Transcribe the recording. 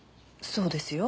そうですよ。